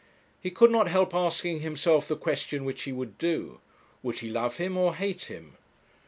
He could not help asking himself the question which he would do. Would he love him or hate him?